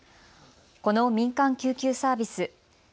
この民間救急サービス。